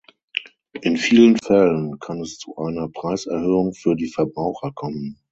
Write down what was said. In vielen Fällen kann es zu einer Preiserhöhung für die Verbraucher kommen.